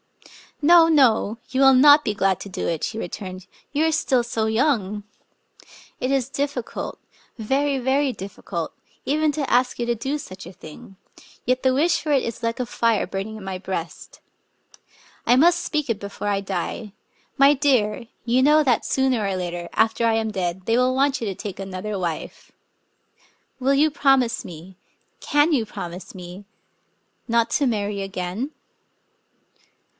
" No, no — you will not be glad to do it," she returned: "you are still so young! It is diffi cult — very, very difficult — even to ask you to do such a thing ; yet the wish for it is like a fire burning in my breast. I must speak it before Digitized by Googk THE STORY OF 0 KAM£ 49 I die, .•• My dear, you know that sooner or later, after I am dead, they will want you to take another wife. Will you promise me — can you promise me — not to marry again